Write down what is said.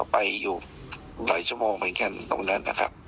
ไปอยู่หลายชั่วโมงเหมือนกันตรงนั้นนะครับ